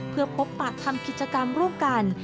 เพื่อพบปะทำกิจกรรมร่วมกัน